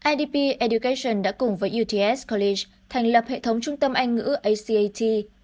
idp education đã cùng với uts clis thành lập hệ thống trung tâm anh ngữ acat